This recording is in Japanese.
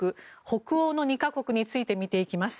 北欧の２か国について見ていきます。